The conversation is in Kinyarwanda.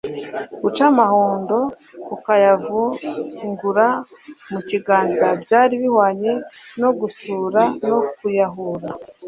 Guca amahundo ukayavungura mu kiganza byari bihwanye no gusrura no kuyahura.